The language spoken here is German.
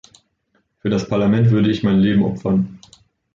Für das Parlament würde ich mein Leben opfern.